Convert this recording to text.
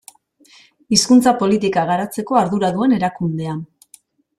Hizkuntza politika garatzeko ardura duen erakundea.